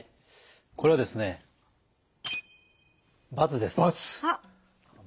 これはですね。×です。